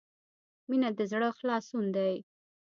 • مینه د زړۀ خلاصون دی.